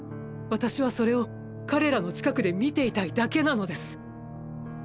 私はそれを彼らの近くで見ていたいだけなのです。